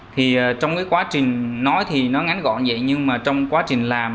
thì trong cái quá trình nói thì nó ngắn gọn vậy nhưng mà trong quá trình làm